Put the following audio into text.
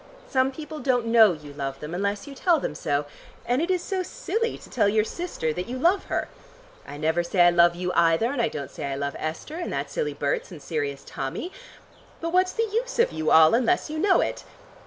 Some people don't know you love them unless you tell them so, and it is so silly to tell your sister that you love her. I never say I love you, either, and I don't say I love Esther, and that silly Berts, and serious Tommy. But what's the use of you all unless you know it?